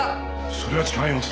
それは違います。